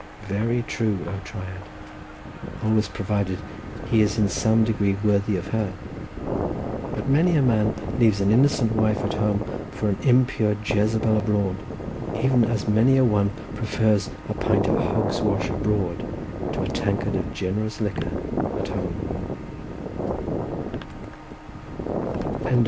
Very true, O Triad, always provided he is in some degree worthy of her; but many a man leaves an innocent wife at home for an impure Jezebel abroad, even as many a one prefers a pint of hog's wash abroad to a tankard of generous liquor at home.